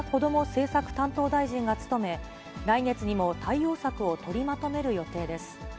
政策担当大臣が務め、来月にも対応策を取りまとめる予定です。